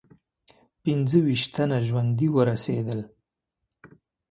پنځه ویشت تنه ژوندي ورسېدل.